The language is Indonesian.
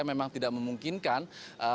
di korea memang tidak memungkinkan di korea